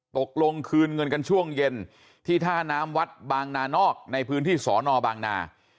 ตกลงคืนเงินกันช่วงเย็นที่ท่าน้ำวัดบางนานอกในพื้นที่สอนอบางนา